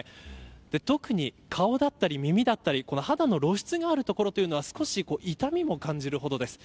特に、顔だったり耳だったり肌の露出があるという所は少し痛みも感じるほどです。